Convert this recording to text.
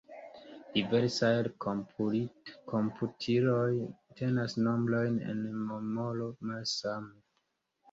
Diversaj komputiloj tenas nombrojn en memoro malsame.